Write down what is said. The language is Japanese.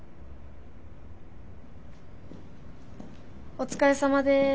お疲れさまです。